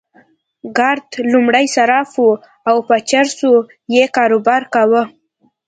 کرت لومړی صراف وو او په چارسو کې يې کاروبار کاوه.